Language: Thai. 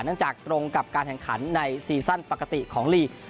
เนื่องจากตรงกับการแห่งขันในซีสั้นปกติของมี